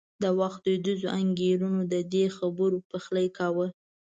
د وخت دودیزو انګېرنو د دې خبرو پخلی کاوه.